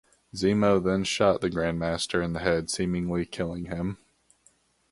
Zemo then shot the Grandmaster in the head seemingly killing him.